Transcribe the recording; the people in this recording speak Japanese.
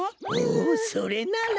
おそれなら！